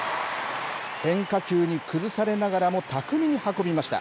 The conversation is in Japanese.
変化球に崩されながらも巧みに運びました。